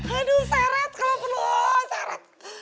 aduh seret kalau perlu seret